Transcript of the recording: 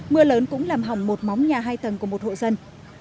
mưa lớn cũng làm hỏng một móng nhà hai tầng của một hộ dân